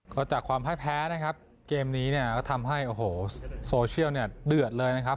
รอจากความแพ้นะครับเกมนี้ทำให้โซเชียลเนี่ยเดือดเลยนะครับ